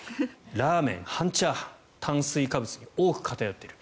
ラーメン、半チャーハン炭水化物が多く、偏っている。